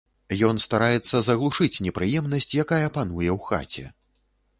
Ён стараецца заглушыць непрыемнасць, якая пануе ў хаце.